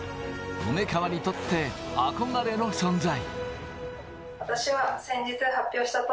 梅川にとって憧れの存在。